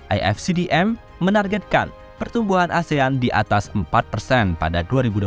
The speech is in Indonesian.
ifcdm menargetkan pertumbuhan asean di atas empat persen pada dua ribu dua puluh tiga